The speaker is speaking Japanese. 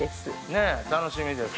ねぇ楽しみです